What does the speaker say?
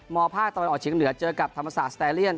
มภาคตะวันออกเชียงเหนือเจอกับธรรมศาสตร์สแตเลียน